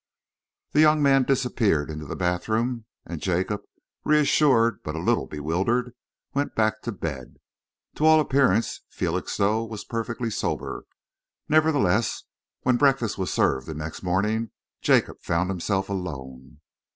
The young man disappeared into the bathroom, and Jacob, reassured but a little bewildered, went back to bed. To all appearance, Felixstowe was perfectly sober. Nevertheless, when breakfast was served the next morning, Jacob found himself alone.